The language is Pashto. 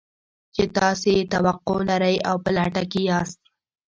چې تاسې يې توقع لرئ او په لټه کې يې ياست.